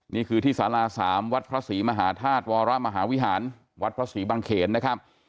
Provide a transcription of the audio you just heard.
นี่คือที่สารา๓วัดพระศรีมหาธาตุวรมหาวิหารวัดพระศรีบังเขนนะครับ